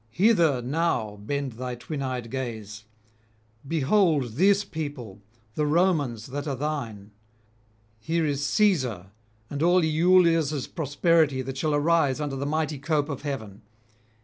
Hither now bend thy twin eyed gaze; behold this people, the Romans that are thine. Here is Caesar and all Iülus' posterity that shall arise under the mighty cope of heaven.